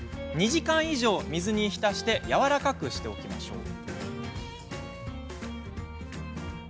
２時間以上、水に浸してやわらかくしておきましょう。